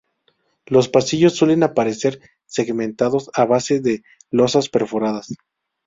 Los pasillos suelen aparecer segmentados a base de losas perforadas.